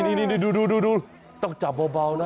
นี่ดูต้องจับเบานะ